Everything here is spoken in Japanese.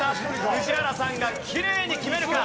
宇治原さんがきれいに決めるか？